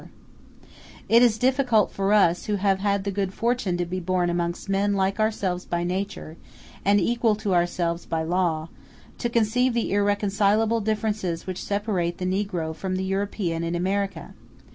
] It is difficult for us, who have had the good fortune to be born amongst men like ourselves by nature, and equal to ourselves by law, to conceive the irreconcilable differences which separate the negro from the European in America.